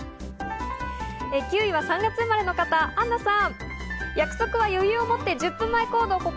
９位は３月生まれの方、アンナさん。